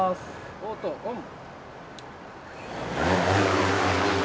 オートオン。